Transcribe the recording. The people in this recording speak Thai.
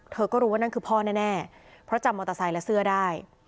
เธอก็รู้ว่านั่นคือพ่อแน่เพราะจำมอเตอร์ไซค์และเสื้อได้